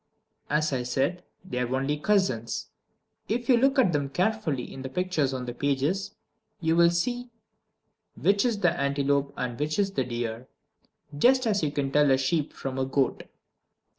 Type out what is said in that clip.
As I said, they are only cousins. If you look at them carefully in the pictures on pages 103 and 109 you will see which is the antelope and which is the deer just as you can tell a sheep from a goat.